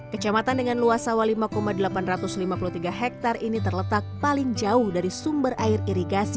kecamatan dengan luas sawah lima delapan ratus lima puluh tiga hektare ini terletak paling jauh dari sumber air irigasi